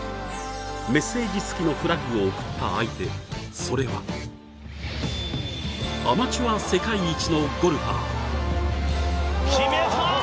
メッセージ付きのフラッグを贈った相手、それはアマチュア世界一のゴルファー。